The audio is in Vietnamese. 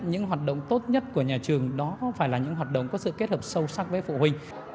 những hoạt động tốt nhất của nhà trường đó không phải là những hoạt động có sự kết hợp sâu sắc với phụ huynh